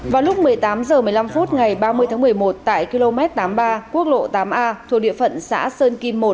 vào lúc một mươi tám h một mươi năm phút ngày ba mươi tháng một mươi một tại km tám mươi ba quốc lộ tám a thuộc địa phận xã sơn kim một